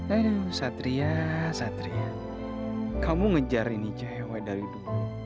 ayo satria satria kamu ngejar ini cewek dari dulu